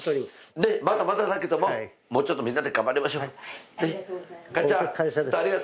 まだまだだけども、もうちょっとみんなで頑張りましょう。